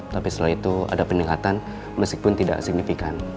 tapi setelah itu ada peningkatan meskipun tidak signifikan